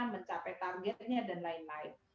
mencapai targetnya dan lain lain